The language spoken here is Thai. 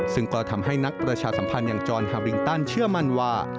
ซึ่งก็ทำให้นักประชาสัมพันธ์อย่างจรฮาริงตันเชื่อมั่นว่า